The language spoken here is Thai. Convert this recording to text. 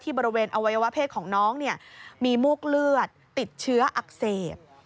บริเวณอวัยวะเพศของน้องมีมูกเลือดติดเชื้ออักเสบ